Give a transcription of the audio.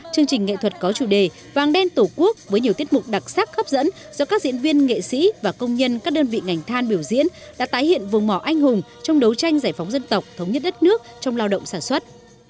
chương trình nghệ thuật có chủ đề vang đen tổ quốc với nhiều tiết mục đặc sắc hấp dẫn do các diễn viên nghệ sĩ và công nhân các đơn vị ngành than biểu diễn đã tái hiện vùng mỏ anh hùng trong đấu tranh giải phóng dân tộc thống nhất đất nước trong lao động sản xuất